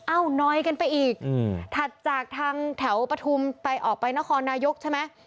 น้อยกันไปอีกถัดจากทางแถวปฐุมไปออกไปนครนายกใช่ไหม